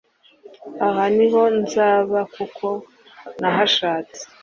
aha ni ho nzaba kuko nahashatse